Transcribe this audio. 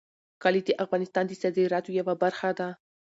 کلي د افغانستان د صادراتو یوه برخه ده.